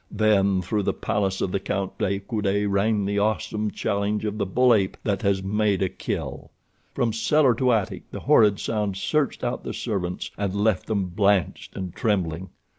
Then through the palace of the Count de Coude rang the awesome challenge of the bull ape that has made a kill. From cellar to attic the horrid sound searched out the servants, and left them blanched and trembling.